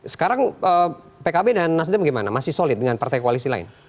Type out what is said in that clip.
sekarang pkb dan nasdem gimana masih solid dengan partai koalisi lain